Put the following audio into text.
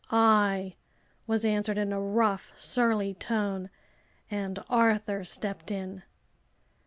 "I," was answered, in a rough, surly tone, and Arthur stepped in.